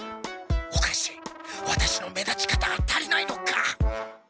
おかしいワタシの目立ち方が足りないのか？